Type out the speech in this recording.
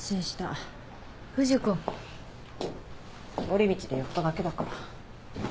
通り道で寄っただけだから。